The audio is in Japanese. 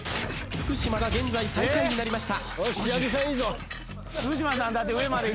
辻本が現在最下位になりました。